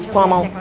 gue gak mau